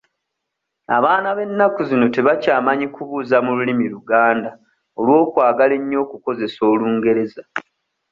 Abaana b'ennaku zino tebakyamanyi kubuuza mu lulimi Luganda olw'okwagala ennyo okukozesa Olungereza.